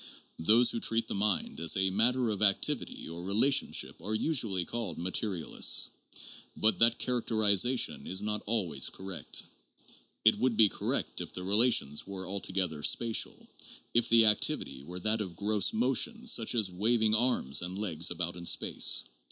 Those who treat the mind as a matter of activity or relationships are usually called materialists. But that characterization is not always correct. It would be correct if the relations were altogether spatial, if the activity were that of gross motion such as waving arms and legs about in space.